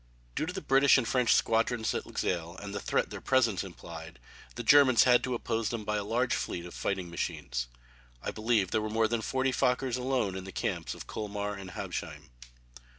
Due to the British and French squadrons at Luxeuil, and the threat their presence implied, the Germans had to oppose them by a large fleet of fighting machines. I believe there were more than forty Fokkers alone in the camps of Colmar and Habsheim.